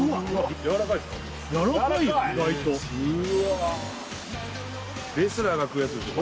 やわらかいやわらかいよ意外とレスラーが食うやつですよ